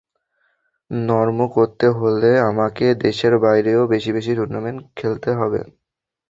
Norm করতে হলে আমাকে দেশের বাইরেও বেশি বেশি টুর্নামেন্টে খেলতে হবে।